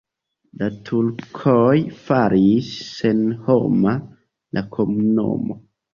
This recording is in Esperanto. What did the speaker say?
La turkoj faris senhoma la komunumon.